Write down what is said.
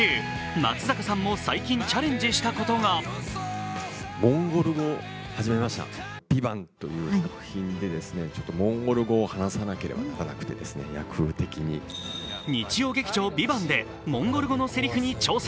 松坂さんも最近チャレンジしたことが日曜劇場「ＶＩＶＡＮＴ」でモンゴル語のせりふに挑戦。